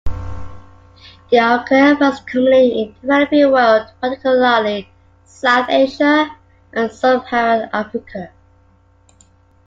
They occur most commonly in the developing world, particularly South Asia and Sub-Saharan Africa.